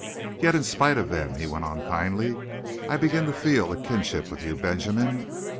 Yet, in spite of them," he went on kindly, "I begin to feel a kinship with you, Benjamin.